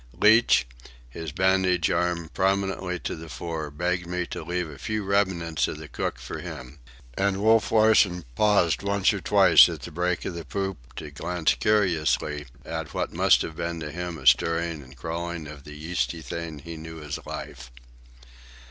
Leach, his bandaged arm prominently to the fore, begged me to leave a few remnants of the cook for him; and Wolf Larsen paused once or twice at the break of the poop to glance curiously at what must have been to him a stirring and crawling of the yeasty thing he knew as life.